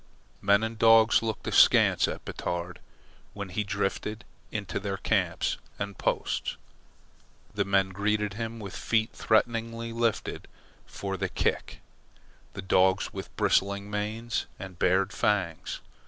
Men and dogs looked askance at Batard when he drifted into their camps and posts. The men greeted him with feet threateningly lifted for the kick, the dogs with bristling manes and bared fangs.